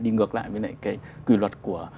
đi ngược lại với lại cái quy luật của